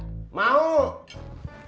ibu pak bunga duluan ya